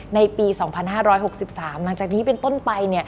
ในปี๒๕๖๓หลังจากนี้เป็นต้นไป